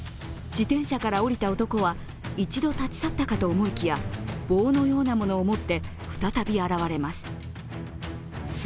自転車から降りた男は一度立ち去ったかと思いきや棒のようなものを持って再び現れます。